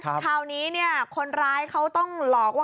คราวนี้เนี่ยคนร้ายเขาต้องหลอกว่า